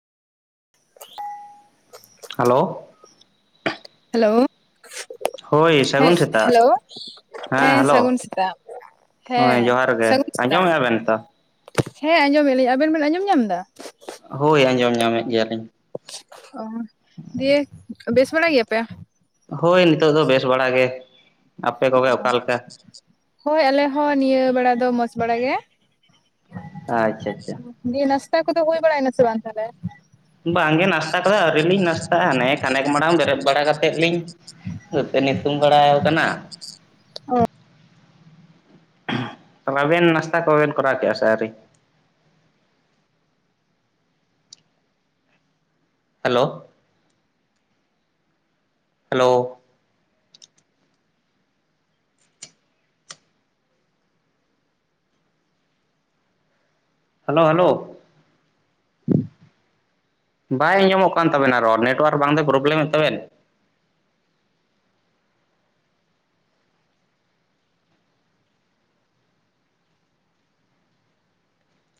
Hello hello ᱦᱳᱭ ᱦᱮ ᱥᱟᱹᱜᱩᱱ ᱥᱮᱛᱟᱜ ᱦᱮᱞᱳ ᱦᱮ ᱦᱮᱸ ᱥᱟᱹᱜᱩᱱ ᱦᱮᱞᱳ ᱥᱮᱛᱟᱜ ᱦᱮ ᱦᱳᱭ ᱡᱚᱦᱟᱨ ᱜᱮ ᱥᱟᱹᱜᱩᱱ ᱥᱮᱛᱟᱜ ᱟᱸᱡᱚᱢᱮᱫᱼᱟ ᱵᱮᱱ ᱛᱚ ᱦᱮ ᱟᱸᱡᱚᱢᱮᱜ ᱞᱤᱧ ᱟᱵᱮᱱ ᱵᱮᱱ ᱟᱸᱡᱚᱢ ᱧᱟᱢ ᱮᱫᱟ? ᱦᱳᱭ ᱟᱸᱡᱚᱢ ᱧᱟᱢᱮᱫ ᱜᱮᱭᱟᱞᱤᱧ ᱚ ᱫᱤᱭᱮ ᱵᱮᱥ ᱵᱟᱲᱟ ᱜᱮᱭᱟ ᱯᱮ? ᱦᱳᱭ ᱱᱤᱛᱚᱜ ᱫᱚ ᱵᱮᱥ ᱵᱟᱲᱟ ᱜᱮ ᱟᱯᱮ ᱠᱚᱜᱮ ᱚᱠᱟ ᱞᱮᱠᱟ? ᱦᱳᱭ ᱟᱞᱮ ᱦᱚᱸ ᱱᱤᱭᱟᱹ ᱵᱮᱲᱟ ᱫᱚ ᱢᱚᱸᱡ ᱵᱟᱲᱟ ᱜᱮ ᱟᱪᱪᱷᱟ ᱟᱪᱪᱷᱟ [inaudible] ᱤᱭᱟ ᱱᱟᱥᱛᱟ ᱠᱚᱫᱚ ᱦᱩᱭ ᱵᱟᱲᱟᱭ ᱱᱟᱥᱮ ᱵᱟᱝ ᱛᱟᱦᱚᱞᱮ? ᱵᱟᱝᱜᱮ ᱱᱟᱥᱛᱟ ᱠᱚᱫᱚ ᱟᱹᱣᱨᱤ ᱞᱤᱧ ᱱᱟᱥᱛᱟᱜᱼᱟ ᱚᱱᱮ ᱠᱷᱟᱱᱮᱠ ᱢᱟᱲᱟᱝ ᱵᱮᱨᱮᱫ ᱵᱟᱲᱟ ᱠᱟᱛᱮᱫ ᱞᱤᱧ [inaudible] ᱱᱟᱥᱮ ᱱᱤᱥᱩᱱ ᱵᱟᱲᱟᱭ ᱣᱟᱠᱟᱱᱟ ᱚ ᱟᱵᱮᱱ ᱱᱟᱥᱛᱟ ᱠᱚᱵᱮᱱ ᱠᱚᱨᱟᱣ ᱠᱮᱜ-ᱟ ᱥᱮ ᱟᱣᱨᱤ? ᱦᱮᱞᱳ ᱦᱮᱞᱳ ᱦᱟᱞᱚ ᱦᱟᱞᱚ ᱵᱟᱭ ᱟᱧᱡᱚᱢᱚᱜ ᱠᱟᱱ ᱛᱟᱵᱮᱱᱟ ᱨᱚᱲ ᱱᱮᱴᱚᱣᱟᱨᱠ ᱵᱟᱝ ᱫᱚᱭ ᱯᱨᱚᱵᱞᱮᱢᱮᱫ ᱛᱟᱵᱮᱱ?